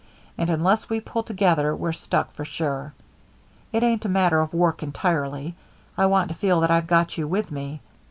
And unless we pull together, we're stuck for sure. It ain't a matter of work entirely. I want to feel that I've got you with me.